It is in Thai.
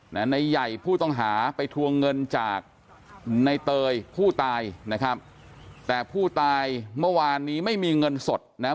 ในใหญ่ผู้ต้องหาไปทวงเงินจากในเตยผู้ตายนะครับแต่ผู้ตายเมื่อวานนี้ไม่มีเงินสดนะฮะ